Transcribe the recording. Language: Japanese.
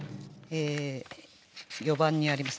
４番にありますね。